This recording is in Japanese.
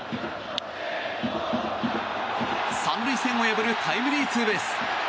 ３塁線を破るタイムリーツーベース。